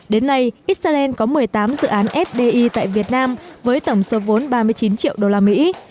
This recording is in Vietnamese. đến nay israel có một mươi tám dự án fdi tại việt nam với tổng số vốn ba mươi chín triệu usd